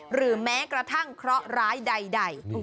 หรือแม้กระทั่งเคราะห์ร้ายใด